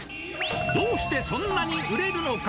どうしてそんなに売れるのか？